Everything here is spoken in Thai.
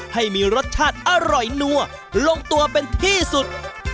ให้มีรสชาติอร่อยนัวลงตัวเป็นที่สุด